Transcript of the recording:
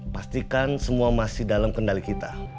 pastikan semua masih dalam kendali kita